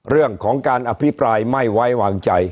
เรื่องของการอภิปรายไม่ไว้วางใจ